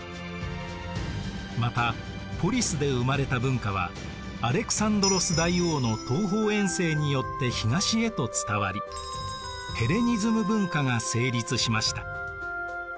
またポリスで生まれた文化はアレクサンドロス大王の東方遠征によって東へと伝わりヘレニズム文化が成立しました。